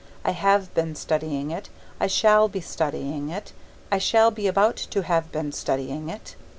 I have been studying it. I shall be studying it. I shall be about to have been studying it.